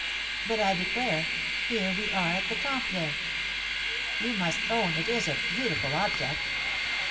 But, I declare, here we are at the Temple! You must own it is a beautiful object?"